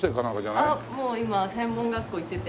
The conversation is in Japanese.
あっもう今専門学校行ってて。